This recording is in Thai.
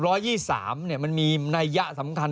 เนี่ยมันมีนัยสำคัญ